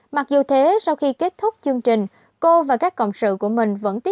mặc dù thế sau khi kết thúc chương trình cô và các cộng sự của mình